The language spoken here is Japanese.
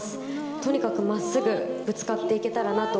とにかくまっすぐぶつかっていけたらなと。